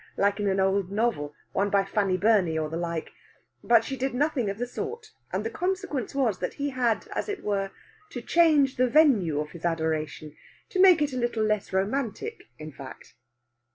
like in an old novel one by Fanny Burney, or the like. But she did nothing of the sort, and the consequence was that he had, as it were, to change the venue of his adoration to make it a little less romantic, in fact.